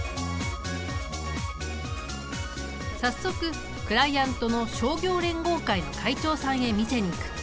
早速クライアントの商業連合会の会長さんへ見せに行く。